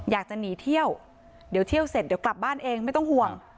อยากจะหนีเที่ยวเดี๋ยวเที่ยวเสร็จเดี๋ยวกลับบ้านเองไม่ต้องห่วง